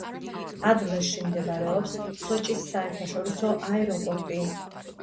ადლერში მდებარეობს სოჭის საერთაშორისო აეროპორტი.